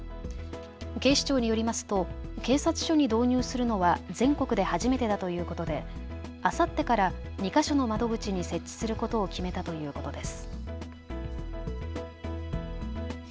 警視庁によりますと警察署に導入するのは全国で初めてだということであさってから２か所の窓口に設置することを決めたということです。